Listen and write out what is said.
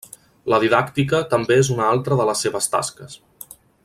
La didàctica també és una altra de les seves tasques.